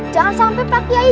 jangan sampai pak kiai